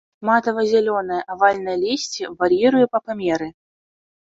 Матава-зяленае, авальнае лісце вар'іруе па памеры.